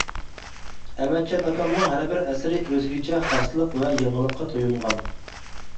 ئەمەتجان ئاكامنىڭ ھەربىر ئەسىرى ئۆزگىچە خاسلىق ۋە يېڭىلىققا تويۇنغان.